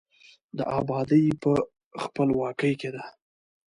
د آبادي په، خپلواکۍ کې ده.